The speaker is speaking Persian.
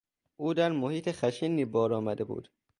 او در محیط خشنی بار آمده بود.